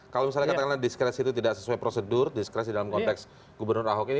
kalau misalnya katakanlah diskresi itu tidak sesuai prosedur diskresi dalam konteks gubernur ahok ini